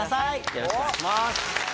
よろしくお願いします。